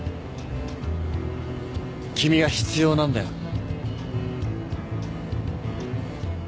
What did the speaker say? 君が必要なんだよ。